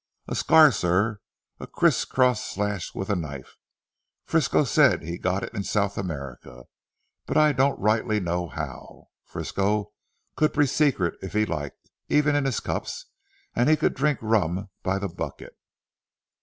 "A scar sir; a criss cross slash with a knife. Frisco said he got it in South America. But I don't rightly know how. Frisco could be secret if he liked, even in his cups, and he could drink rum by the bucket."